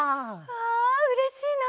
わあうれしいな。